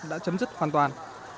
đã chấm dứt hoàn toàn